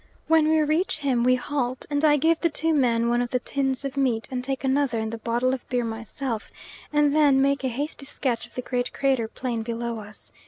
When we reach him we halt, and I give the two men one of the tins of meat, and take another and the bottle of beer myself, and then make a hasty sketch of the great crater plain below us.